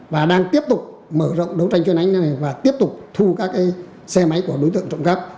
và đang tiếp tục mở rộng đấu tranh chuyên án này và tiếp tục thu các xe máy của đối tượng trộm cắp